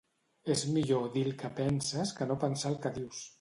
És millor dir el que penses que no pensar el que dius.